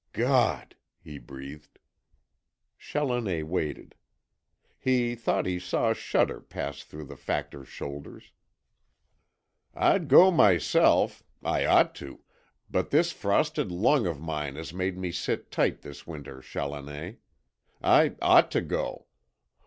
"GAWD!" he breathed. Challoner waited. He thought he saw a shudder pass through the Factor's shoulders. "I'd go myself I ought to, but this frosted lung of mine has made me sit tight this winter, Challoner. I OUGHT to go.